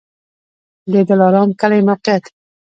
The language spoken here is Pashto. د دلارام کلی موقعیت